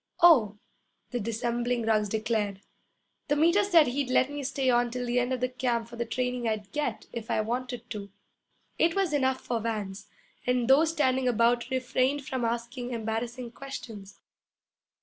'Oh,' the dissembling Ruggs declared, 'the Meter said he'd let me stay on till the end of camp for the training I'd get, if I wanted to.' It was enough for Vance, and those standing about refrained from asking embarrassing questions.